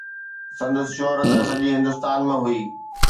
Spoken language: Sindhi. سندس شهرت سڄي هندستان ۾ هئي.